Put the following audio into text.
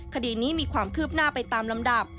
คดีนี้มีความคืบหน้าไปตามลำดับ